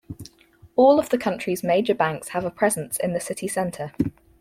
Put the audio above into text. All of the country's major banks have a presence in the city centre.